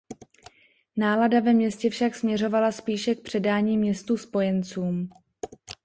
Nálada ve městě však směřovala spíše k předání městu spojencům.